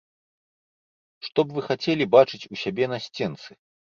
Што б вы хацелі бачыць у сябе на сценцы?